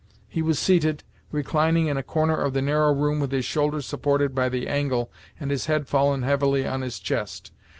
He was seated, reclining in a corner of the narrow room with his shoulders supported by the angle, and his head fallen heavily on his chest.